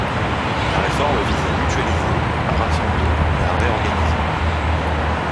La réforme vise à mutualiser, à rassembler et à réorganiser.